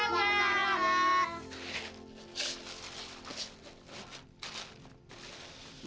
thank you karangga